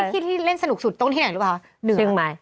เชียงใหม่นี่ที่เป็นที่มั่น